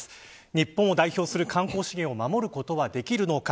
日本を代表する観光資源を守ることはできるのか。